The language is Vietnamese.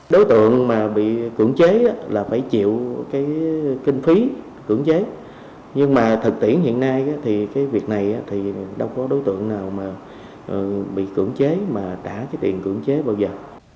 đối tượng mà bị cưỡng chế là phải chịu cái kinh phí cưỡng chế nhưng mà thực tiễn hiện nay thì cái việc này thì đâu có đối tượng nào mà bị cưỡng chế mà đã cái tiền cưỡng chế bao giờ